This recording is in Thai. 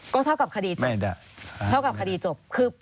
ก็เท่ากับคดีจบ